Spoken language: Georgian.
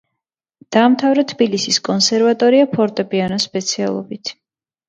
დაამთავრა თბილისის კონსერვატორია ფორტეპიანოს სპეციალობით.